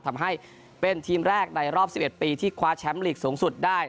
ทำให้เป็นทีมแรกในรอบ๑๑ปีที่คว้าแชมป์ลีกสูงสุดได้